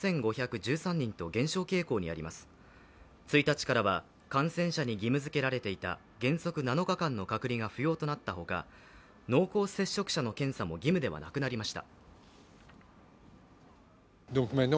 １日からは感染者に義務付けられていた原則７日間の隔離が不要となったほか、濃厚接触者の検査も義務ではなくなりました。